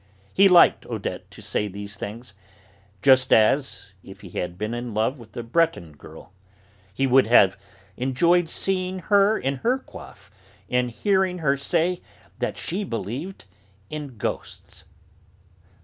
He liked Odette to say these things, just as, if he had been in love with a Breton girl, he would have enjoyed seeing her in her coif and hearing her say that she believed in ghosts.